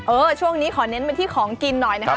ช่วงนี้ขอเน้นไปที่ของกินหน่อยนะคะ